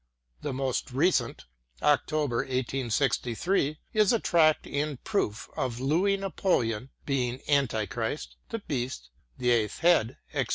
The most recent (October, 1863) is a tract in proof of Louis Napoleon being Antichrist, the Beast, the eighth Head, etc.